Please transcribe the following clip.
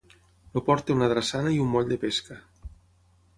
El port té una drassana i un moll de pesca.